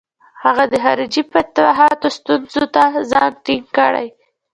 هغه د خارجي فتوحاتو ستونزو ته ځان ټینګ کړي.